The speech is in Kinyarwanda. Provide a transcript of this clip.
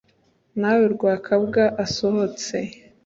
Na we Rwakabwa asohotse